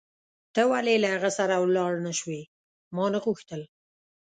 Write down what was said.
ته ولې له هغه سره ولاړ نه شوې؟ ما نه غوښتل.